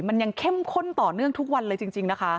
มันยังเข้มข้นต่อเนื่องทุกวันเลยจริงนะคะ